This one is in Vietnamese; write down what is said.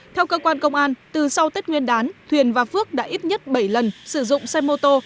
theo cơ quan công an từ sau tết nguyên đán thuyền và phước đã ít nhất bảy lần sử dụng xe mô tô